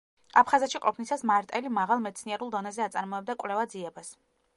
აფხაზეთში ყოფნისას მარტელი მაღალ მეცნიერულ დონეზე აწარმოებდა კვლევა-ძიებას.